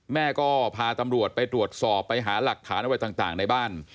แม่ก็พาตำรวจไปตรวจสอบไปหาหลักฐานอะไรต่างในบ้าน